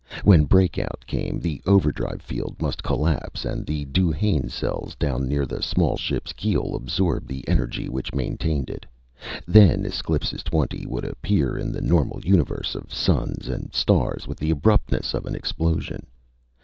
When breakout came, the overdrive field must collapse and the Duhanne cells down near the small ship's keel absorb the energy which maintained it. Then Esclipus Twenty would appear in the normal universe of suns and stars with the abruptness of an explosion.